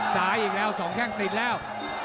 อีกแล้ว๒แข้งติดแล้ว